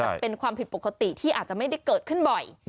มันเป็นความผิดปกติที่อาจจะไม่ได้เกิดขึ้นบ่อย